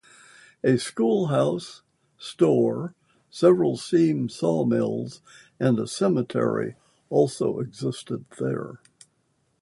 A schoolhouse, store, several steam sawmills and cemetery also existed here.